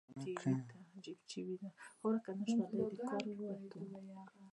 آیا پوټاش د کیمیاوي سرې لپاره نه کارول کیږي؟